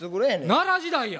奈良時代や！